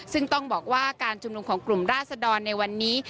ซึ่งต้องบอกว่าการชุมนุมของกลุ่มราศดรในวันนี้